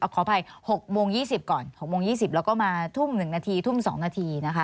ขออภัย๖โมง๒๐ก่อน๖โมง๒๐แล้วก็มาทุ่ม๑นาทีทุ่ม๒นาทีนะคะ